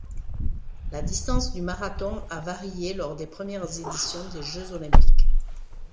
La distance du marathon a varié lors des premières éditions des Jeux olympiques.